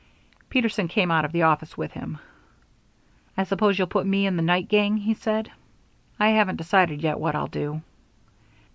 Peterson came out of the office with him. "I suppose you'll put me in the night gang," he said. "I haven't decided yet what I'll do."